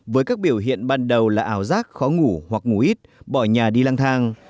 với các biểu hiện ban đầu là ảo giác khó ngủ hoặc ngủ ít bỏ nhà đi lang thang